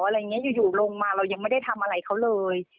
อะไรอย่างนี้อยู่ลงมาเรายังไม่ได้ทำอะไรเขาเลย